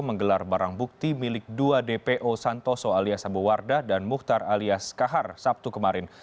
menggelar barang bukti milik dua dpo santoso alias abu wardah dan muhtar alias kahar sabtu kemarin